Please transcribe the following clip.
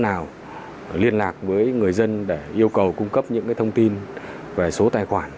nào liên lạc với người dân để yêu cầu cung cấp những thông tin về số tài khoản